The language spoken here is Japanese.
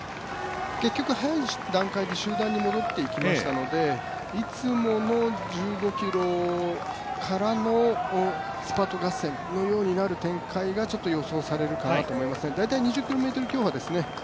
早い段階で集団に戻っていきましたのでいつもの１５ｋｍからのスパート合戦のようになる展開が予想されるかなと思います。